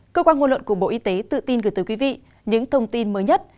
cơ quan ngôn luận của bộ y tế tự tin gửi tới quý vị những thông tin mới nhất